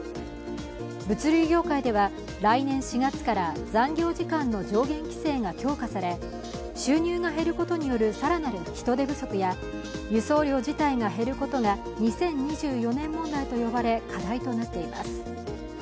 物流業界では来年４月から残業時間の上限規制が強化され、収入が減ることによる更なる人手不足や輸送量自体が減ることが２０２４年問題と呼ばれ、課題となっています。